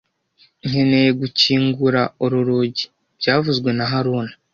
Nkeneye gukingura uru rugi byavuzwe na haruna